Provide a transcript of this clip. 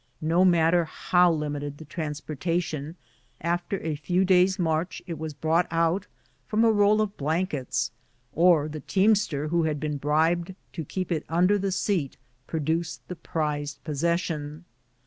No matter how limited the transporta tion, after a few days' march it was brought out from a roll of blankets, or the teamster who had been bribed to keep it under the seat, produced the prized possession.